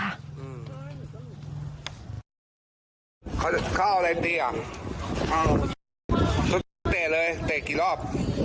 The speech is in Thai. เขาเอาอะไรตีอ่ะเตะเลยเตะกี่รอบ